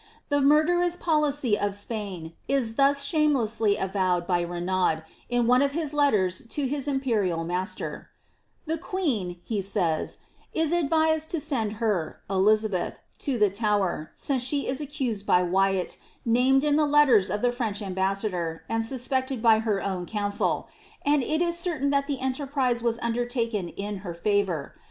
The murderous policy of Spain is thus shamelessly avowed by Renaud in one of his letters to his imperial master: — ^The queen,^' he says,* ^^ is advised to send her (Elizabeth) to the Tower, since she is accused by Wyat, named in the letters of the French ambassador, and suspected by her own council ; and it is certain that the enterprise was undertaken in her favour.